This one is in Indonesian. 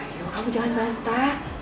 ayo kamu jangan bantah